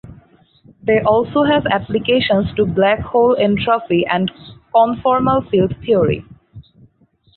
They also have applications to black hole entropy and conformal field theory.